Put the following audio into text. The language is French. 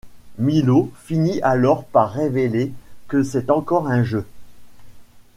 Milo finit alors par révéler que c'est encore un jeu.